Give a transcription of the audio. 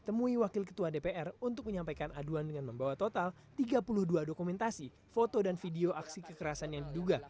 temui wakil ketua dpr untuk menyampaikan aduan dengan membawa total tiga puluh dua dokumentasi foto dan video aksi kekerasan yang diduga